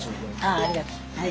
あっありがとう。